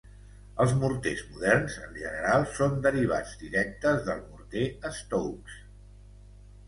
Els morters moderns en general són derivats directes del morter Stokes.